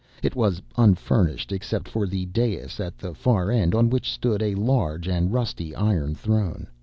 It was unfurnished except for the dais at the far end on which stood a large and rusty iron throne.